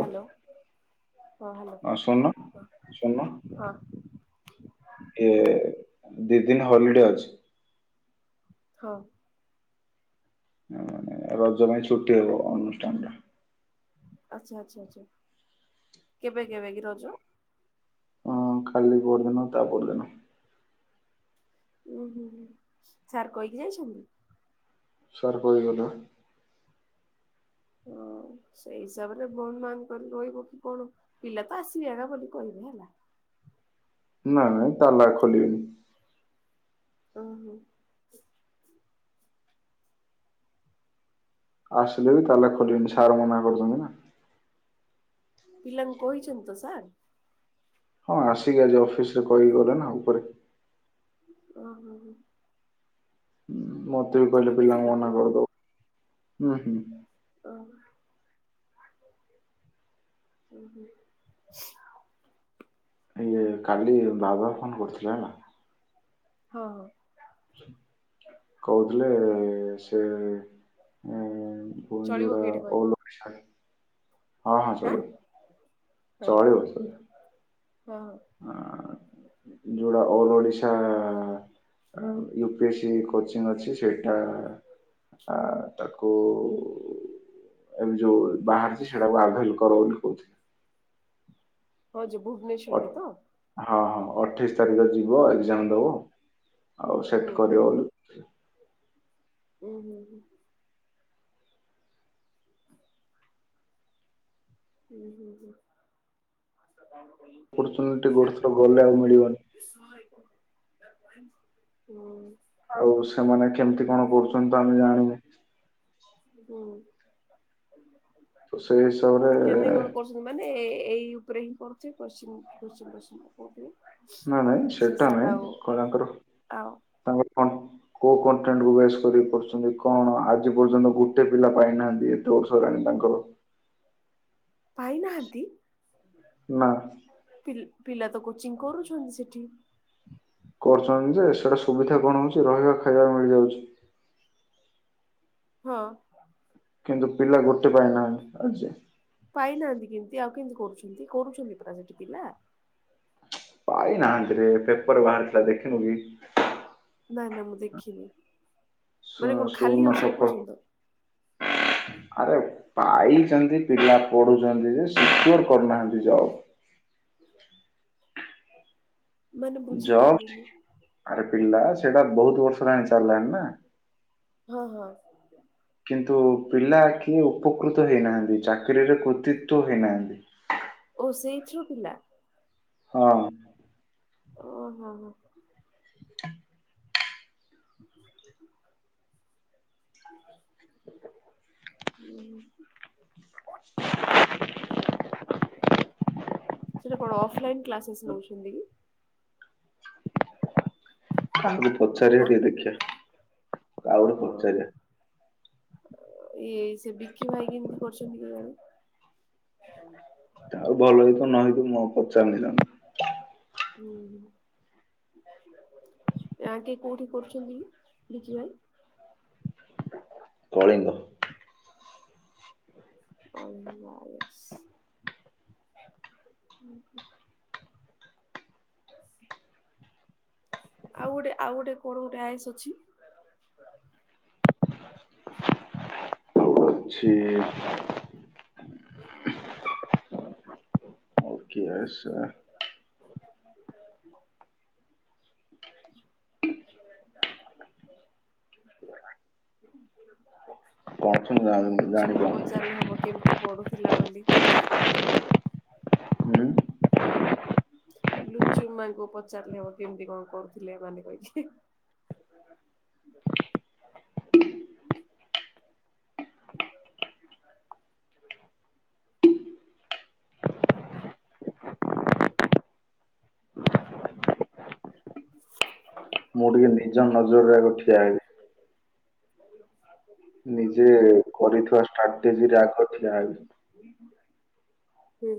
Hello ହଁ hello ହଁ ଏ ଦି ଦିନ ହଲିଡେ ଅଛି। ହଁ। ମେ ରଜ ପାଇଁ ଛୁଟି ହବ ଅନୁଷ୍ଠାନଟା। ଆଚ୍ଛା ଆଚ୍ଛା ଆଛା କେବେ କେବେ କି ରଜ? ହଁ କାଲି, ପରଦିନ ତା ପରଦିନ। ଉୁଁ ହୁଁ ହୁଁ ସାର୍ କହିକି ଯାଇଛନ୍ତି? ସାର୍ କହିକି ଗଲେବା। ହଁ ସେଇ ହିସାବରେ ବନ୍ଦ ବାନ୍ଦ କରିକି ରହିବ କି କଣ? ପିଲା ତ ଆସିବେ [unintelligible] କହିିବେ ହେଲା ନାଇଁ ଇ ତାଲା ଖୋଲିବେନି। ଓହୋ। ଆସିଲେ ବି ତାହେଲେ ଖୋଲିବେନି ସାର୍ ମନା କରୁଛନ୍ତି ନା। ପିଲାଙ୍କୁ କହିଛନ୍ତି ତ ସାର୍? ହଁ ଆସିକି ଆଜି ଅଫିସ ରେ କହିକି ଗଲେ ନା ଉପରେ। ଓ ହଁ ହଁ। ହୁଁ ମତେ ବି ତମେ କହିଲେ ପିଲାଙ୍କୁ ଥିଲ କି? ମନା କରିଦବ ହୁଁ ହୁଁ। ଓହୋ ହୁଁ ହୁଁ। ଇଏ କାଲି ଦାଦା ଫୋନ କରିଥିଲା ହେଲା ହଁ ହଁ। କହୁଥିଲେ ସେ [unintelligible] ହଁ ଚଳିବ କି ଏଠି କହିଲେ? ହଁ ହାଁ ଚଳିବ ହଁ ଚଳିବ ଚଳ ହଁ ଯେଉଟା ଅଲ୍ ଓଡ଼ିଶା ଆ ୟୁ ପି ଏସ୍ସି କୋଚିଂ ଅଛି ସେଇ [inaudible] ଆ ତାକୁଉ-ଉ-ଉ ଏ ଯୋଉ ବାହାରିଛି ଆଧଲ କର ବୋଲି କହୁ ହଁ ଯେ ଅ ଭୁବନେଶ୍ୱର୍ ତ। ହଁ -ହଁ ଅଠେଇଶି ତାରିଖ ଯିବ ଏକ୍ଜାମ୍ ଦବ ଆଉ ହୁଁ ସେଟ୍ କରିବ ବୋଲି। ଉୁଁ -ହୁଁ -ହୁଁ। ହୁଁ- ହୁଁ- ହୁ ଅପରଚୁନିଟି ଗୋଟେ ଥର ଗଲେ ଆଉ ମିଳିବନି [unintelligible] [unintelligible] ହୁଁ। ଆଉ ସେମାନେ କେମିତି କଣ କରୁଛନ୍ତି ତ ଆମେ ଜାଣିନେ। ହୁଁ। ତ ସେଇ ହିସାବରେ କେମିତି ଏ-ଏ କଣ ମାନେ ଏଇ ଉପରେ ହିଁ କରୁଥିବେ [unintelligible] ନା ନାଇଁ ସେଟା ନାଇଁ ଶିଷାଟାଉ କଣ ତାଙ୍କର ଆଉ। ତାଙ୍କର କଣ କୋଉ କଣ୍ଟେଣ୍ଟ୍ କୁ ବସ୍ କର ପାରୁଛନ୍ତି କଣ ଆଜି ପର୍ଯ୍ୟନ୍ତ ଗୋଟେ ପିଲା ପାଇନାହାନ୍ତି, ଏତେ ବର୍ଷ ହେଲାଣି ତାଙ୍କର। ପାଇନାହାନ୍ତି। ନା। ପିଲା ତ କୋଚିଙ୍ଗ୍ କରୁଛନ୍ତି ସେଠି। କରୁଛନ୍ତି ଯେ ସେଇଟା ସୁବିଧା କଣ ହୋଉଛି ରହିବା ଖାଇବା ମିଳିଯାଉଛି। ହଁ। କିନ୍ତୁ ପିଲା ଗୋଟେ ପାଇନାହାନ୍ତି ଆଜି। ପାଇନାହାନ୍ତି କେମିତି ଆଉ କେମ୍ ତି କରୁଛନ୍ତି, କରୁଛନ୍ତି ପୁରା ସେ ପିଲା। ପାଇନାହାନ୍ତିରେ ପେପର୍ ରେ ବାହାରିଥିଲା ଦେଖିନୁ କି। ନା -ନା ମୁଁ ଦେଖିନି ଶୂନ ମାନେ କଣ ଶୂନ ଖାଲି ଅଛି ସଫଳ ଏପର୍ଯ୍ୟନ୍ତ? ଆରେ ପାଇଛନ୍ତି ପିଲା ପଢୁଛନ୍ତି ଯେ ସିକର କରୁନାହାନ୍ତି ଜବ୍। ମାନେ ଜବ୍ ବୁଝିପାରିଲିନି। ଆରେ ପିଲା ସେଟା ବୋହୁତ୍ ବର୍ଷ ହେଲାଣି ଚାଲିଲାଣି ନା ହଁ -ହଁ। କିନ୍ତୁ ପିଲା କିଏ ଉପକୃତ ହେଇନାହାନ୍ତି, ଚାକିରିରେ କୃତିତ୍ବ ହେଇନାହାନ୍ତି। ଓ ସେଇଥିରୁ ପିଲା। ହଁ। ଓ ହଁ -ହଁ। ସେଟା କଣ ଅଫଲାଇ କ୍ଲାଶେଷ୍ ନୋଉଛନ୍ତି କି? କାହାକୁ ପଚାରିବା ହଁ ଟିକେ ଦେଖିଆ, ଆଉ ଗୋଟେ ହଁ ପଚାରିବା। ଇଏ ସେ ବିକି ଭାଇ କେମିତି କରୁଛନ୍ତି କେଜାଣି। ଆଉ ଭଲ ହେଇ ନ ହେଇଥିବ ମୁଁ ଆଉ ପଚାର୍ ନି ତାଙ୍କୁ। ହୁଁ। ଏ ଆଣ୍ଟି କୋଉଠି କରୁଚନ୍ତି, ବିଜ୍ ନେସ୍? କଳିଙ୍ଗ। ସମ ଆଏସ୍ [unintelligible] ଆଉ ଗୋଟେ ଆଉ ଗୋଟେ କଣ ଗୋଟେ ଆଏସ୍ ଅଛି? ଅଛି [unintelligible] କଣ? ମୁଁ ଜାଣି ଲୁଚୁବୁ କୁ ଜାଣିପାରୁନି ପଚାରିଲେ ହବ କେମିତି ପଡୁଥିଲା ବୋଲିଁ। ହୁଁ। ଲୁଚୁ ମାଙ୍କୁ ପଚାରିଲେ ହବ କେମିତି କଣ କରୁଥିଲେ ମାନେ କହିକି। [inaudible] [inaudible] ମୁଁ ଟିକେ ନିଜ ନଜରରେ ଆଗ ଠିଆ ହେଇ ନିଜେ ହୁଁ। କରିଥିବା ଷ୍ଟ୍ରାଟେଜିରେ ଆଗ ଠିଆ ହେଛି। ହୁଁ।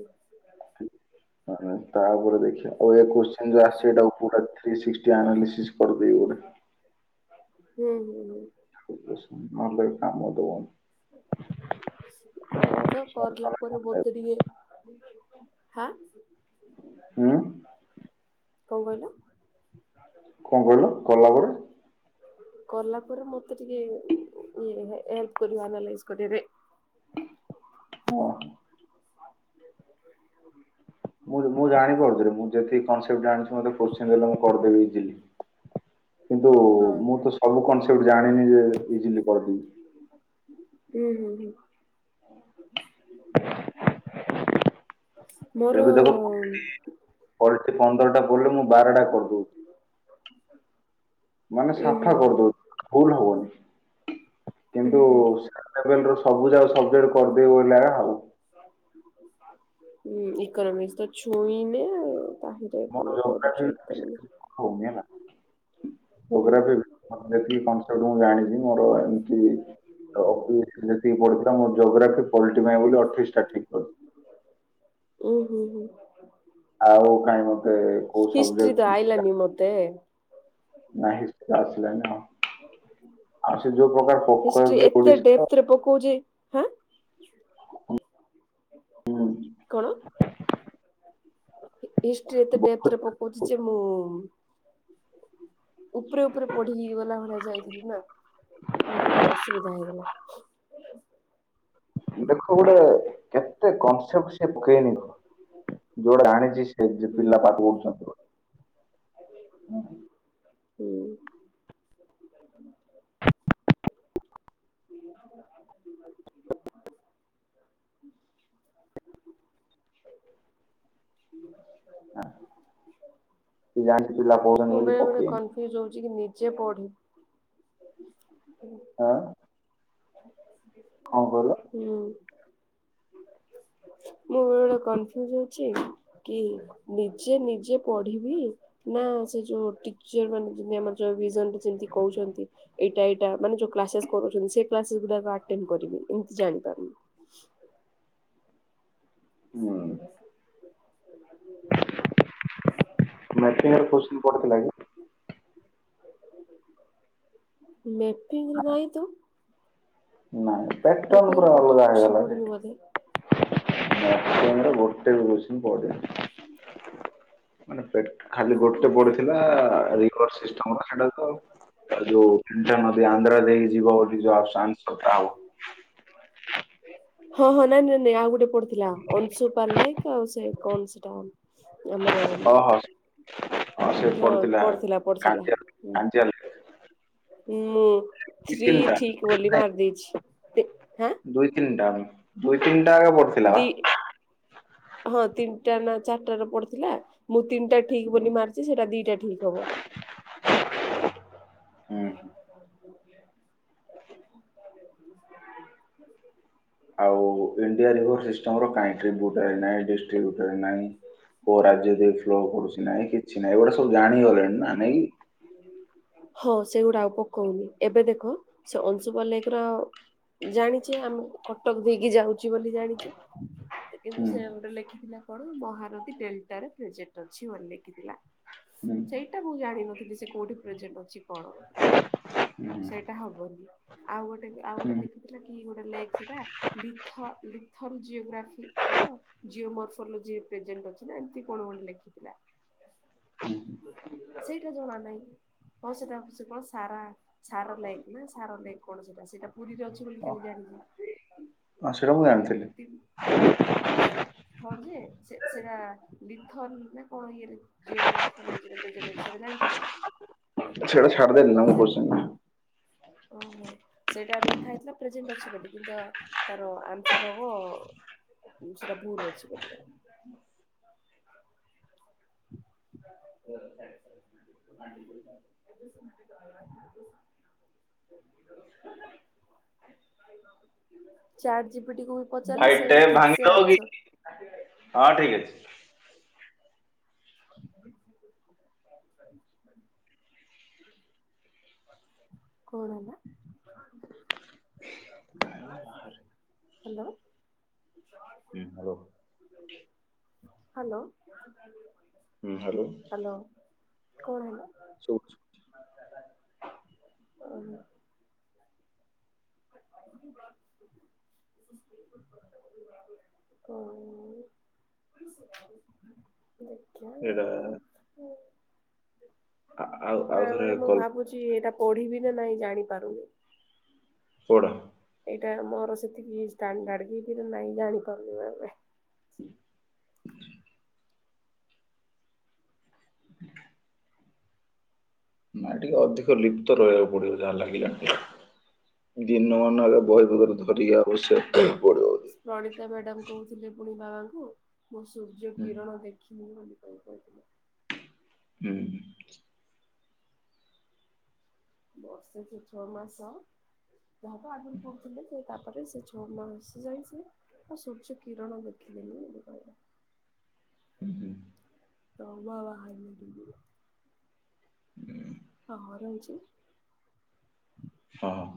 ମାନେ ତାପରେ ଦେଖିବା ଆଉ ଏ କୋ୍ସଚ ଯଉ ଆସଚି ପୁରା ଥ୍ରି ସିଷ୍ଟି ଆନାଲିସିସ୍ କର ହୁଁ ହୁଁ ହୁଁ। ନଲେ କାମ ଦବ। ହୁଁ କରିଲା କଣ ପରେ ବୋତେ ଟିଏ ହାଁ। ଉଁ। କଣ କହିଲ? କଣ କହିଲ କକଲା ପରେ? କଲା ପରେ ମତେ ଟିକେ ଇ ହେଲ୍ପ କରିବ ଆନାଲିସିସ୍ କରିଆରେ। ହ। ମୁଁ ମୁଁ ଜାଣିପାରୁଥିଲି ମୁଁ ଯେତିକ କସେପ୍ଟ ଜାଣିଛି ମତେ କୋସଚିନ ଦେଲେ ମୁଁ କରିଦେବି ଇଜିଲି। କିନ୍ତୁ ହଁ। ମୁଁ ତ ସବୁ କନସେପ୍ଟ ଜାଣିନି ଯେ ଇଜିଲି କରିଦେବି। ହୁଁ ହୁଁ ହୁଁ। [inaudible] ମୋର ପଡ଼ିଚି ପନ୍ଦରଟା ପଡିଲେ ମୁଁ ବାରଟା କରିଦେବି। ମାନେ ଉଁ ହୁଁ ସାଫା କରିଦଉ ଭୁଲ ହବନି। ଉଁ କିନ୍ତୁ ହୁଁ [unintelligible] ସବୁ ଯାକ ସବଜେକ୍ଟ କର୍ଦେବି ବଲି ଆଗା ଆଉ। ହୁଁ ଇକୋନମିକ୍ସ ତ ଛୁଇଁନି [unintelligible] ମୋର [unintelligible] ଜୋଗ୍ରାଫି କରୁଚି ଇକୋନୋମିକ। ହଉନି ହେଲା ହୁଁ ଯୋଗ୍ରଫି ମ ଯେତିକି କନସେପ୍ ମୁଁ ଜାଣିଛି ମୋର ଏମିତି ତ ଯେତିକି ପଢଥିଲା ମୋ ଜୋଗ୍ରାଫି ପଲି ବୋଲି ଅଠେଇଶଟା ଠିକ୍ କରିଛି। ଉଁ ହୁଁ ହୁଁ। ଆଉ କାଇଁ ମତେ କୋଉ ହିଷ୍ଟ୍ରି ତ ସବଜେକ୍ଟ ଆଇଲାନି ମତେ ନାହିଁ ସେ ତ ଆସିଲାନି ଆଉ, ଆଉ ସେ ଯୋଉ ହିଷ୍ଟ୍ରି ପ୍ରକାର ଏତେ ଡେପ୍ଥ [unintelligible] ରେ ପକଉଛି। ହାଁ ହୁଁ କଣ? ହିଷ୍ଟି ଏତେ ଡେପରେ ବହୁତ ପକଉଛି ଯେ ମୁଁ ଉପରେ ଉପରେ ପଢି ହେ ଗଲା ଭଳିଆ ଯାଇଥିଲି ନା ଭାରି ଅସୁବିଧା ହେଇଗଲା। ଦେଖ ଗୋଟେ କେତେ କନସେପ୍ଟ ସେ ପକେଇନି। ଯୋଉ ଯାଣିଛି ସେ ଯେ ହୁଁ ପିଲା ପାଠ ପଢୁଛନ୍ତି ବୋଲି। ହୁଁ, ହୁଁ। ହଆ ସେ ଜାଣିଚି ପିଲା [unintelligible] ମୁଁ ବେଳେବେଳେ ପକେଇନି କନଫ୍ୟୁଜ୍ ହଉଛି କି ନିଜେ ପଢ଼ି ଆଁ କଣ କଇଲ? ହୁଁ। ମୁଁ ବେଳେବେଳେ କନଫ୍ୟୁଜ ଅଛି କି ନିଜେ ନିଜେ ପଢିବି ନା ସେ ଯୋଉ ଟିଚର ମାନେ [unintelligible] ଭିଜନରେ ଯେମତି କହୁଛନ୍ତି ଏଇଟା ଏଇଟା ମାନେ ଯୋଉ କ୍ଳସେସ କରୁଛନ୍ତି ସେ କ୍ଲାସ୍ ଗୁଡାକ ଆଟେଣ୍ଡ କରିବି ଏମିତି ଜାଣିପାରୁନି। ହୁଁ। [unintelligible] କୋଶ୍ଚିନ୍ ପଡ଼ିଥିଲା କି? ମେଫିଙ୍ଗ ରୁ ନାଇ ତ। ନାଇଁ ପ୍ୟାଟ୍ରନ ମ୍ୟାପିଂରେ ପୁରା ଗୋଟେ ବି ଅଲଗା କୋଶ୍ଚିନ୍ ହେଇଗଲାରେ। ପଡିନି ବୋଧେ। ମ୍ୟାଫିଙ୍ଗ ର ଗୋଟେ ବି କୋଶ୍ଚିନ୍ ପଡିନି। ମାନେ ପେଟ୍ ଖାଲି ଗୋଟେ ପଡିଥିଲା ରିଗର୍ ସିଷ୍ଟମ୍ ର ସେଟା ତ ଆଉ ଯୋଉ [unintelligible] ନଦୀ ଆନ୍ଧ୍ରା ଦେଇଯିବ ବୋଲି ଯୋଉ ଆଉ ଚାନ୍ସ କଥା ହବ। ହଁ ହଁ ନାଇଁ ନାଇଁ ନାଇଁ ଆଉ ଗୋଟେ ପଡିଥିଲା ଅଂଶୁପା ଲେକ୍ ଆଉ ସେ କଣ ସେଟା ଆମର ହଁ ହଁ ହଁ ପଡିଥିଲା ପଡିଥିଲା କାଞ୍ଜିଆ ହୁଁ। କାଞ୍ଜିଆ ମୁଁ ଦି ଥ୍ରୀ ତିନିଟା ଠିକ୍ ବୋଲି ନାଇଁ ମାରଦେଇଛି। ଦୁଇ ତିନିଟା ଦୁଇ ତିିନିଟା ଆଗେ ଦି ହଁ ତିନିଟା ନା ଚାରିଟା ର ପଡିଥିଲା ମୁଁ ତିନିଟା ଠିକ୍ ହୁଁ ବୋଲି ମାରିଛି ସେଇଟା ଦିଟା ଠିକ୍ ହବ। ହୁଁ। ହ ଆଉ ଇଣ୍ଡିଆ ରିଭର ସିଷ୍ଟମ ର କାଇଁଟ୍ରିବ୍ୟୁଟର ନାଇଁ ଡିଷ୍ଟ୍ରିବ୍ୟୁଟର ନାଇଁ। କୋଉ ରାଜ୍ୟ ଦେଇ ଫ୍ଲୋ କରୁଛି ନାଇଁ କିଛି ନାଇଁ ଏଗୁଡା ସବୁ ଜାଣିଗଲେଣି ନା ନାଇଁ କି। ହଁ ସେଇଗୁଡ଼ା ଆଉ ପକୋଉନି। ଏବେ ଦେଖ ସେ ଅଂଶୁପା ଲେକ୍ ର ଜାଣିଚେ ଆମେ କଟକ ଦେଇକି ଯାଉଚି ବୋଲି ଜାଣିଚେ। କି? କିନ୍ତୁ ସେ ହୁଁ ଗୋଟେ ଲେଖିଥିଲା କଣ ମହାରଦୀ ଡେଲଟାରେ ପ୍ରେଜେକ୍ଟ ଅଛି ବୋଲି ଲେଖିଥିଲା। ହୁଁ ସେଇଟା ମୁଁ ଜାଣିନଥିଲି ସେ କୋଉଠି ପ୍ରେଜେଣ୍ଟ ଅଛି କଣ? ହୁଁ ସେଇଟା ହବନି। ଆଉ ଗୋଟେ ଆଉ ହୁଁ ଗୋଟେ ଲେଖିଥିଲା କି ଗୋଟେ ଲେକ୍ ସେଟା ଲିଥ ଲିଥର ଜିଓଗ୍ରାଫି ପଢ଼ ଜିଓ ମର୍ଫୋଲଜି ପ୍ରେଜେଣ୍ଟ ଅଛି ନା ଏମିତି କଣ ଗୋ ଲେଖିଥିଲା। ହୁଁ। ସେଇଟା ଜଣା ନାଇଁ, ହଁ ସେଟା ସେ କଣ ସାରା ସାର ଲାଇକ ନା ସାର ଲେକ୍ କଣ ସେଟା, ସେଇଟା ପୁରୀରେ ଅଛି ବୋଲି ଖାଲି ଜାଣିଚି। ହଁ ସେଇଟା ମୁଁ ଜାଣିଥିଲି [inaudible] ହଁ ସେଟା ହଁ ଯେ ସେ ସେଟା ଲିଥର ନା କଣ ଇଏରେ ଜିଓ ମର୍ଫୋଲୋଜି ରେ ପ୍ରେଜେଣ୍ଟ ହୋଉଛି ସେଟା ଜାଣିଥିଲା କି? ସେଟା ଛାଡ୍ ଦେଲି ନା ମୁଁ କୋଶ୍ଚିନ୍। ଓ ହୋ, ସେଇଟା ଲେଖା ହେଇଥିଲା ପ୍ରେଜେଣ୍ଟ ଅଛି ବୋଲି [unintelligible] ତାର ଆନ୍ସର ହବ ସେଟା ଭୁଲ ଅଛି ବୋଲିକା। [inaudible] [inaudible] ଚାଟ୍ ଜିପିଟିକୁ ପଚାରିଲେ ଭାଇ ସେ ବି ଟେପ୍ ଠିକ ସେ ଭାଙ୍ଗିଦବ କି? ଆନ୍ସର ହଁ ଠିକ୍ ଅଛି। [inaudible] କୋରୋନା ହାଲୋ ହୁଁ ହ୍ୟାଲୋ ହ୍ୟାଲୋ। ହ୍ୟାଲୋ କଣ ହେଲା? ଶୁଭୁଛି [unintelligible] [unintelligible] [unintelligible] ଦେଖିବା। [unintelligible] ଆ- ଆଉ ଆଉ ଥରେ ବେଳେବେଳେ ମୁଁ କଲ୍ ଭାବୁଛି ଏଇଟା ପଢିବି ନା ନାଇଁ ଜାଣିପାରୁନି। କୋଉଟା? ଏଇଟା ମୋର ସେତିକି ଷ୍ଟାଣ୍ଡାର୍ଡ [unintelligible] ନାଇଁ ଜାଣି ପାରୁନୁ ଆମେ। ନାଇଁ ଟିକେ ଅଧିକ ଲିପ୍ତ ରହିବାକୁ ପଡିବ ଯାହା ଲାଗିଲାଣି। ଦିନମାନ ଆଗେ ବହି ପକ ଧରିି ଅବଶ୍ୟ। ସେ ଗଣିତ ମ୍ୟାଡାମ୍ କହୁଥିଲେ ପୁଣି ବାବାଙ୍କୁ ମଁ ସୂର୍ଯ୍ୟ ହୁଁ କିରଣ ଦେ [unintelligible] ହୁଁ। ବସିଛି ଛଅ ମାସ। ଯାହା ତ ଆଗରୁ ପଢୁଥିଲି ସେ ତାପରେ ସେ ଛଅ ମାସ ଯାଇଛି। ହଁ, ସୂର୍ଯ୍ୟକିରଣ ଦେଖିଲିନି ମତେ କହିଲା। [unintelligible] ହୁଁ। [unintelligible] ହଁ।